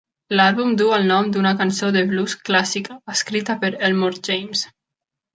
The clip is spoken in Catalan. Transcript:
L'àlbum duu el nom d'una cançó de blues clàssica escrita per Elmore James.